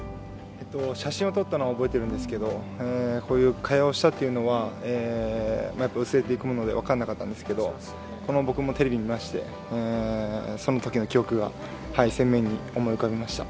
写真を撮ったのは覚えているんですけど、こういう会話をしたというのは薄れていくもので分からなかったんですけどこれ、僕もテレビ見ましてそのときの記憶が鮮明に思い浮かびました。